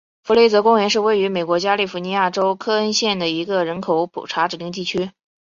弗雷泽公园是位于美国加利福尼亚州克恩县的一个人口普查指定地区。